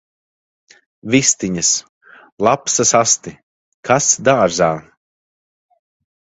Vistiņas! Lapsas asti! Kas dārzā!